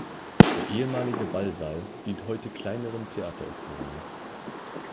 Der ehemalige Ballsaal dient heute kleineren Theateraufführungen.